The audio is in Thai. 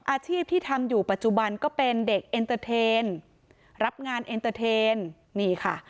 อาชีพที่ทำอยู่ปัจจุบันก็เป็นเด็กเอ็นเตอร์เทนรับงานเอ็นเตอร์เทนนี่ค่ะ